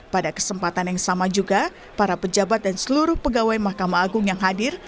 pada kesempatan yang sama juga para pejabat dan seluruh pegawai mahkamah agung yang hadir